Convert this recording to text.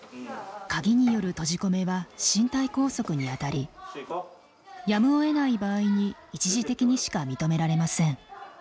鍵による閉じ込めは身体拘束にあたりやむをえない場合に一時的にしか認められません。